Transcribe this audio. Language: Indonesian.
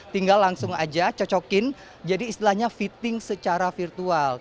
tinggal langsung aja cocokin jadi istilahnya fitting secara virtual